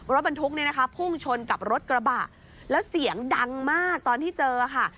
รถบรรทุกเนี่ยนะคะพุ่งชนกับรถกระบะแล้วเสียงดังมากตอนที่เจอค่ะ